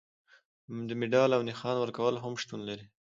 د مډال او نښان ورکول هم شتون لري.